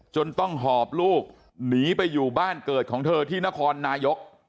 จนต้องหอบลูกหนีไปอยู่บ้านเกิดของเธอที่นครนายก